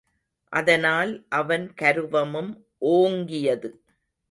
அதனால் அவன் கருவமும் ஓங்கியது.